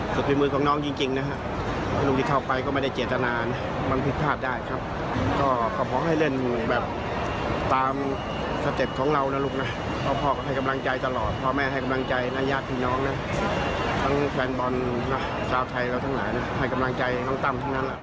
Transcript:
ถึงแม้ชุดใหญ่เราจะไม่ชัดนะครับ